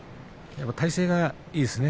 体勢がいいですね。